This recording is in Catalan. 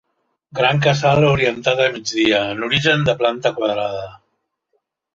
Gran casal orientat a migdia, en origen de planta quadrada.